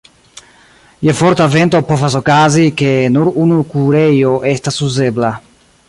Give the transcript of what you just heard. Je forta vento povas okazi, ke nur unu kurejo estas uzebla.